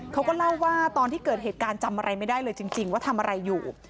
เขาก็เล่าว่าตอนที่เกิดเหตุการณ์จำอะไรไม่ได้เลยจริงว่าทำอะไรอยู่